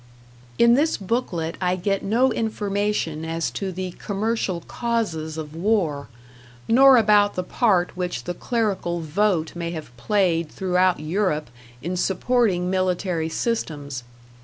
In this booklet I get no information as to the commercial causes of war, nor about the part which the clerical vote may have played throughout Europe in supporting military systems.